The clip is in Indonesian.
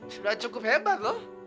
sudah cukup hebat loh